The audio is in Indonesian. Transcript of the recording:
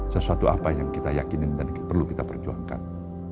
sesuatu apa yang kita yakinin dan perlu kita perjuangkan